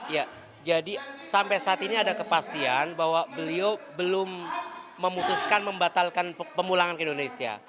ya jadi sampai saat ini ada kepastian bahwa beliau belum memutuskan membatalkan pemulangan ke indonesia